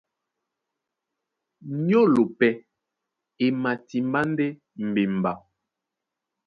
Nyólo pɛ́ e matimbá ndé mbimba.